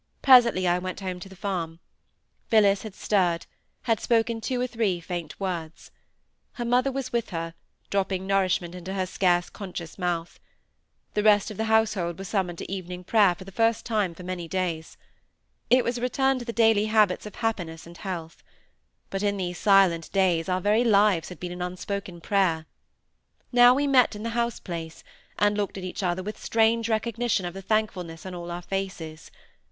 Presently I went home to the farm. Phillis had stirred, had spoken two or three faint words. Her mother was with her, dropping nourishment into her scarce conscious mouth. The rest of the household were summoned to evening prayer for the first time for many days. It was a return to the daily habits of happiness and health. But in these silent days our very lives had been an unspoken prayer. Now we met in the house place, and looked at each other with strange recognition of the thankfulness on all our faces.